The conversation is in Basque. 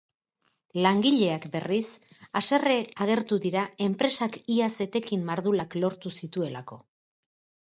Langileak, berriz, haserre agertu dira enpresak iaz etekin mardulak lortu zituelako.